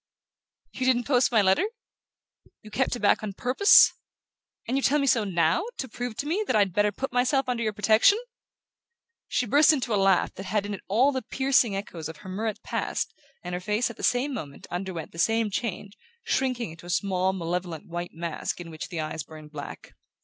"You didn't post my letter? You kept it back on purpose? And you tell me so NOW, to prove to me that I'd better put myself under your protection?" She burst into a laugh that had in it all the piercing echoes of her Murrett past, and her face, at the same moment, underwent the same change, shrinking into a small malevolent white mask in which the eyes burned black.